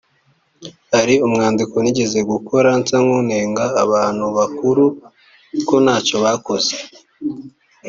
hari umwandiko nigeze gukora nsa nkunenga abantu bakuru ko ntacyo bakoze